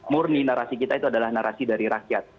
murni narasi kita itu adalah narasi dari rakyat